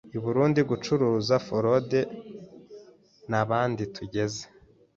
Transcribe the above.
I Burundi gucuruza forode n’abandi tugeze